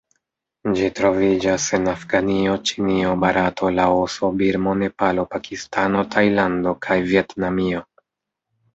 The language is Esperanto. Ĝi troviĝas en Afganio, Ĉinio, Barato, Laoso, Birmo, Nepalo, Pakistano, Tajlando kaj Vjetnamio.